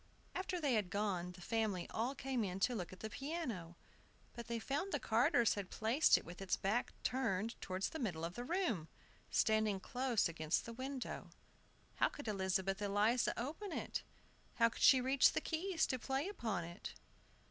After they had gone the family all came in to look at the piano; but they found the carters had placed it with its back turned towards the middle of the room, standing close against the window. How could Elizabeth Eliza open it? How could she reach the keys to play upon it?